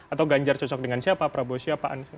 atau ganjar cocok dengan siapa prabowo siapa anies